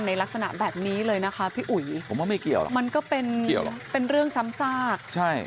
ในลักษณะแบบนี้เลยนะคะพี่อุ๋ยมันก็เป็นเรื่องซ้ำซาก